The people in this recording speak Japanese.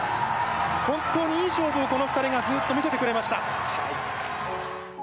本当にいい勝負を、この２人がずっと見せてくれました。